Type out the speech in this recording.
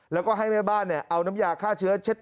และก็ให้แม่บ้านเอาน้ำยาค่าเชื้อ